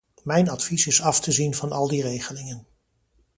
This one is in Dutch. Mijn advies is af te zien van al die regelingen.